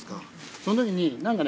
その時に何かね